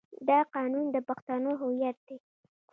دا قانون د پښتنو هویت دی.